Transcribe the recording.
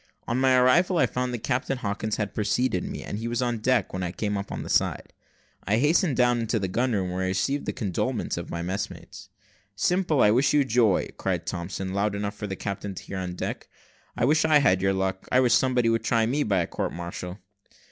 On my arrival, I found that Captain Hawkins had preceded me, and he was on deck when I came up the side. I hastened down into the gun room, where I received the condolements of my messmates. "Simple, I wish you joy," cried Thompson, loud enough for the captain to hear on deck. "I wish I had your luck; I wish somebody would try me by a court martial."